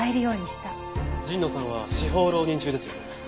陣野さんは司法浪人中です。